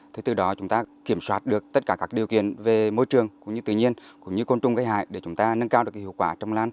thế từ đó chúng ta kiểm soát được tất cả các điều kiện về môi trường cũng như tự nhiên cũng như côn trùng gây hại để chúng ta nâng cao được cái hiệu quả trong lan